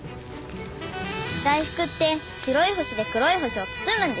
大福って白い星で黒い星を包むんでしょ。